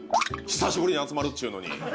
久しぶりに集まるっちゅうのに！